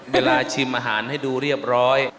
ชิมอาหารให้ดูเรียบร้อย